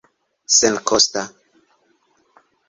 senkosta